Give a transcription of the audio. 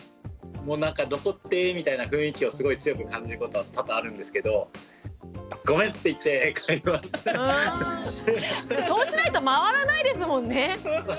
残ってみたいな雰囲気をすごい強く感じることは多々あるんですけどそうしないと回らないですもんね。